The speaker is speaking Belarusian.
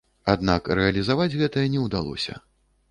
Аднак рэалізаваць гэта не ўдалося.